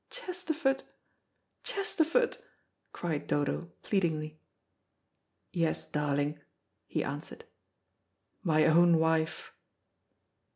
"Chesterford! Chesterford!" cried Dodo pleadingly. "Yes, darling," he answered; "my own wife.